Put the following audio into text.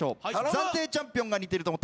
暫定チャンピオンが似てると思ったら赤。